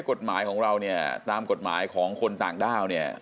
กฎหมายของเราเนี่ยตามกฎหมายของคนต่างด้าวเนี่ย